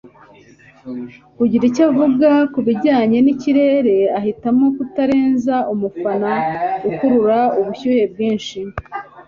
kugira icyo avuga kubijyanye nikirere ahitamo kutarenza umufana ukurura ubushyuhe bwinshi